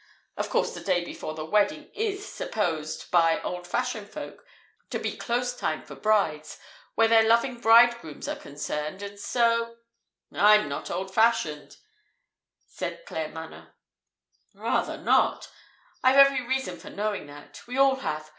Of course, the day before the wedding is supposed by old fashioned folk to be close time for brides, where their loving bridegrooms are concerned, and so " "I'm not old fashioned," said Claremanagh. "Rather not! I've every reason for knowing that. We all have.